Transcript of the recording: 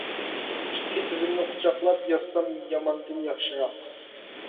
ئىككى تىزىمنى قۇچاقلاپ، ياتسام ياماندىن ياخشىراق.